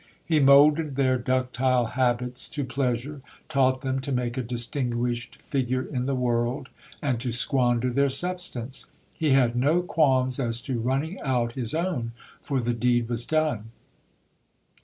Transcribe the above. He moulded their ductile habits to pleasure, taught them to make a distinguished figure in the world, and to squander their substance : he had no qualms as to running out his own, for the deed was done.